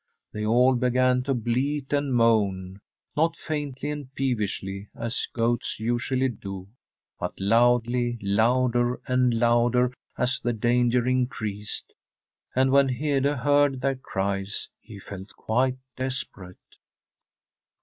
They all began to bleat and moan, not faintly and peevishly, as goats usually do, but loudly, louder and louder as the danger increased. And when Hede heard their cries he felt quite desperate.